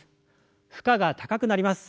負荷が高くなります。